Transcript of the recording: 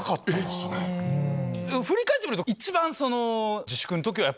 振り返ってみると。